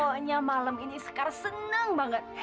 pokoknya malam ini sekarang senang banget